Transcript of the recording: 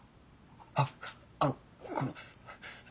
あっあのこの。